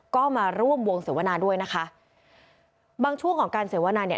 ก็มาร่วมวงเสวนาด้วยนะคะบางช่วงของการเสวนาเนี่ย